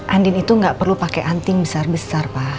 andin itu nggak perlu pakai anting besar besar pak